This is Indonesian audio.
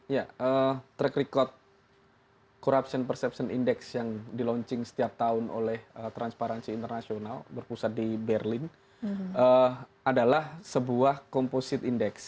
ya track record corruption perception index yang dilaunching setiap tahun oleh transparency international berpusat di berlin adalah sebuah komposit indeks